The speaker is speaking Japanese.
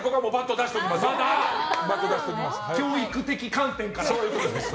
教育的観点からですね。